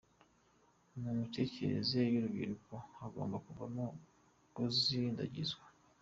Mu mitekerereze y’urubyiruko hagomba kuvamo gusindagizwa.